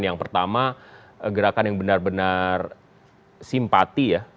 yang pertama gerakan yang benar benar simpati ya